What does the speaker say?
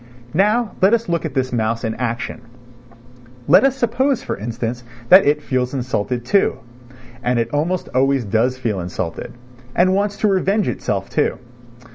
Now let us look at this mouse in action. Let us suppose, for instance, that it feels insulted, too (and it almost always does feel insulted), and wants to revenge itself, too.